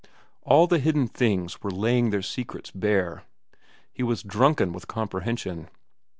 All the hidden things were laying their secrets bare. He was drunken with comprehension.